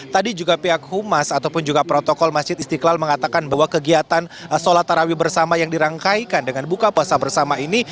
tadi juga pihak humas ataupun juga protokol masjid istiqlal mengatakan bahwa kegiatan sholat tarawih bersama yang dirangkaikan dengan buka puasa bersama ini